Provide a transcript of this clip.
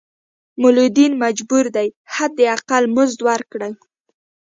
مولدین مجبور دي حد اقل مزد ورکړي.